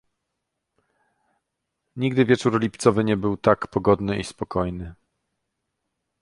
"Nigdy wieczór lipcowy nie był tak pogodny i spokojny."